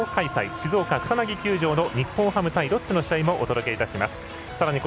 静岡・草薙球場の日本ハムとロッテの試合をお届けします。